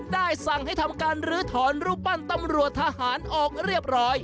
ได้สั่งให้ทำการลื้อถอนรูปปั้นตำรวจทหารออกเรียบร้อย